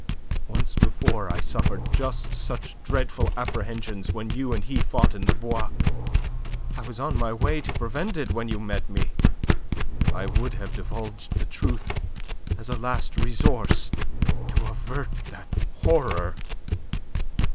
Once before I suffered just such dreadful apprehensions when you and he fought in the Bois. I was on my way to prevent it when you met me. I would have divulged the truth, as a last resource, to avert that horror.